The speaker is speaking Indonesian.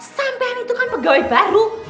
sampai ini itu kan pegawai baru